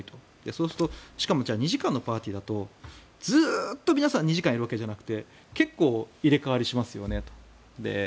そうすると、しかも２時間のパーティーだとずっと皆さん２時間いるわけじゃなくて結構、入れ替わりしますよねと。